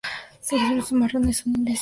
Los frutos marrones son indehiscentes.